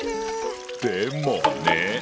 でもね。